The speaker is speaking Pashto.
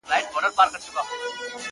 سیاه پوسي ده، جنگ دی جدل دی.